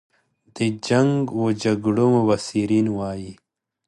د جنګ و جګړو مبصرین وایي.